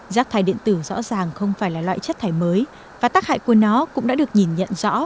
rác thải điện tử rõ ràng không phải là loại chất thải mới và tác hại của nó cũng đã được nhìn nhận rõ